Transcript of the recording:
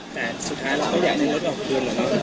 แต่สุดท้ายเราเขาอยากให้รถขอขอบคุณเหรอไหม